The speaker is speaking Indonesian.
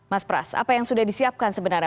mas pras apa yang sudah disiapkan sebenarnya